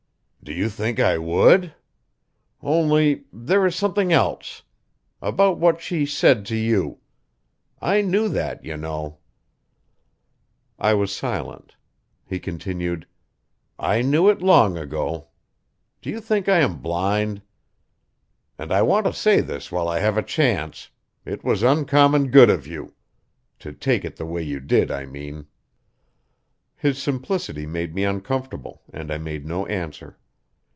"Do you think I would? Only there is something else. About what she said to you. I knew that, you know." I was silent; he continued: "I knew it long ago. Do you think I am blind? And I want to say this while I have a chance it was uncommon good of you. To take it the way you did, I mean." His simplicity made me uncomfortable, and I made no answer.